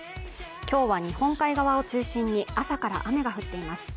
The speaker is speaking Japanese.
今日は日本海側を中心に朝から雨が降っています。